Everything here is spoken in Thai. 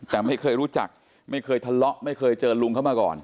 แต่ไม่เคยรู้จักไม่เคยทะเลาะไม่เคยเจอลุงเข้ามาก่อน